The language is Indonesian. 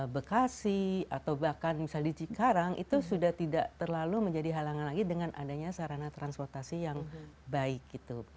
bekasi atau bahkan misalnya di cikarang itu sudah tidak terlalu menjadi halangan lagi dengan adanya sarana transportasi yang baik gitu